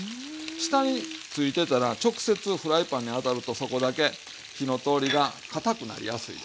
下についてたら直接フライパンに当たるとそこだけ火の通りがかたくなりやすいでしょ。